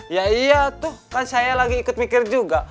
ya iya tuh kan saya lagi ikut mikir juga